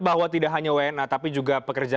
bahwa tidak hanya wna tapi juga pekerja